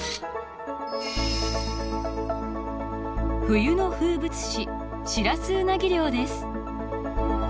冬の風物詩シラスウナギ漁です。